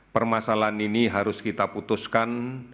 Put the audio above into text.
permasalahan ini harus kita putuskan